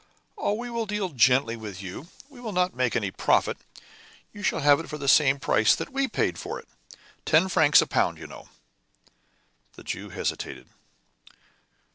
"Oh, we will deal gently with you. We will not make any profit. You shall have it for the same price that we paid for it. Ten francs a pound, you know." The Jew hesitated.